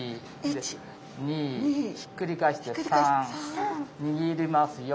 ひっくり返して３。握ります４。